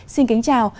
xin kính chào